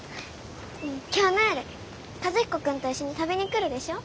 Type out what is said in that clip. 今日の夜和彦君と一緒に食べに来るでしょ。